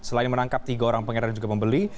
selain menangkap tiga orang pengirian yang juga membeli